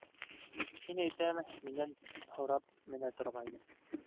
Һин, әйтәм, минән һорап менә торғайның...